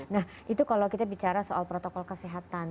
nah itu kalau kita bicara soal protokol kesehatan